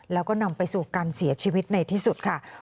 แล้วก็นำไปสู่การเสียชีวิตในที่สุดค่ะ